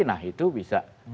nah itu bisa